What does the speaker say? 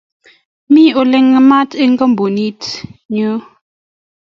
Mi oleng'emat eng' komptutait nyu.